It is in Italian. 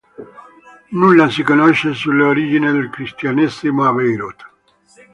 Nulla si conosce sulle origini del cristianesimo a Beirut.